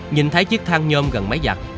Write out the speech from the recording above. nhìn thấy chiếc thang nhôm gần máy giặt